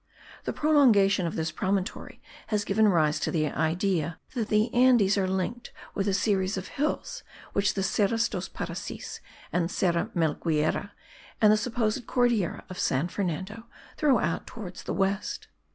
The prolongation of this promontory has given rise to the idea that the Andes are linked with a series of hills which the Serras dos Parecis, the Serra Melgueira, and the supposed Cordillera of San Fernando, throw out towards the west.